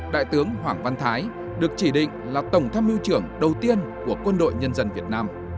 đại tướng hoàng văn thái được chỉ định là tổng tham mưu trưởng đầu tiên của quân đội nhân dân việt nam